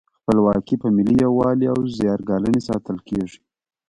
خپلواکي په ملي یووالي او زیار ګالنې ساتل کیږي.